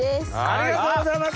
ありがとうございます！